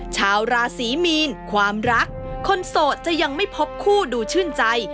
ชาวราศีมีนความรักคนโสดจะยังไม่พบคู่ดูชื่นใจ